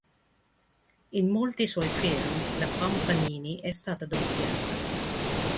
In molti suoi film la Pampanini è stata doppiata.